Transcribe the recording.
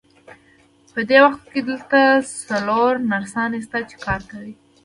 په دې وخت کې دلته څلور نرسانې شته، چې کار کوي.